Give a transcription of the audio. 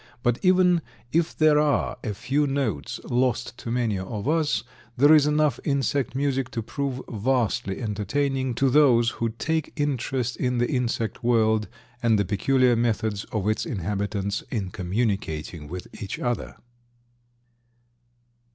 But even if there are a few notes lost to many of us, there is enough insect music to prove vastly entertaining to those who take interest in the insect world, and the peculiar methods of its inhabitants in communicating with each other.